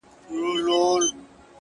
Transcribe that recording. • زه ـ ته او سپوږمۍ ـ